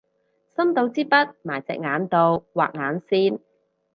伸到支筆埋隻眼度畫眼線